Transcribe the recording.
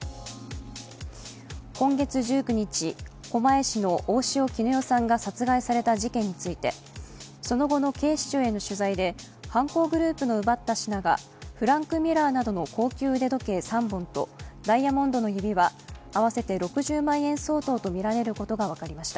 今月１９日、狛江市の大塩衣与さんが殺害された事件についてその後の警視庁への取材で犯行グループの奪った品がフランクミュラーなどの高級腕時計３本とダイヤモンドの指輪合わせて６０万円相当とみられることが分かりました。